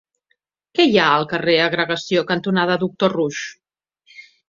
Què hi ha al carrer Agregació cantonada Doctor Roux?